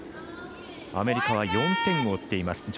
アメリカは４点を追っています。